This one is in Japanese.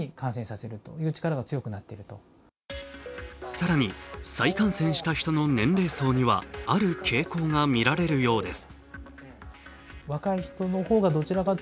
更に再感染した人の年齢層にはある傾向がみられるようです。